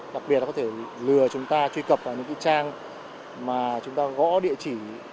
đặc biệt là có thể lừa chúng ta truy cập vào những cái trang mà chúng ta gõ địa chỉ